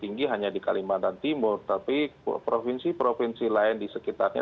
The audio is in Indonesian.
tinggi hanya di kalimantan timur tapi provinsi provinsi lain di sekitarnya